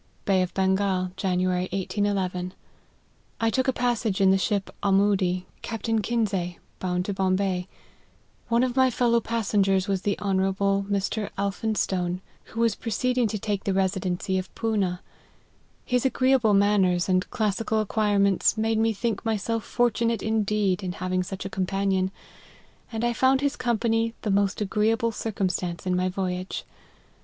" Bay of Bengal, January, 1811. " I took a passage in the ship Ahmoody, Cap tain Kinsay, bound to Bombay. One of my fellow LIFE OF HENRY MARTTN. 133 passengers was the Honourable Mr. Elphinstone who was proceeding to take the Residency of Poonah. His agreeable manners and classical ac quirements, made me think myself fortunate in deed, in having such a companion, and I found his company the most agreeable circumstance in my voyage.